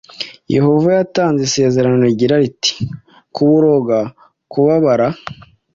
Yehova yatanze isezerano rigira riti kuboroga kubabara